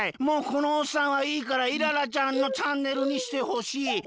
「もうこのおっさんはいいからイララちゃんのチャンネルにしてほしい」。